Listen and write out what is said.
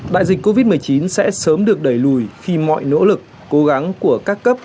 đại dịch covid một mươi chín sẽ sớm được đẩy lùi khi mọi nỗ lực cố gắng của các cấp